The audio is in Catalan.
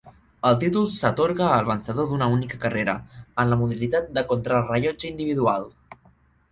El títol s'atorga al vencedor d'una única carrera, en la modalitat de contrarellotge individual.